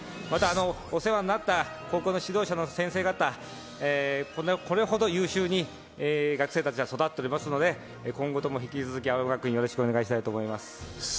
またお世話になった高校の指導者の先生方、これほど優秀に学生たちが育っておりますので、今後とも引き続き青山学院をよろしくお願いします。